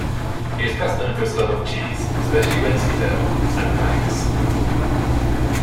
He is best known for his love of cheese, especially Wensleydale, and crackers.